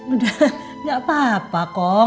udah gak apa apa kok